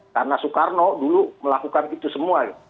karena soekarno dulu melakukan itu semua ya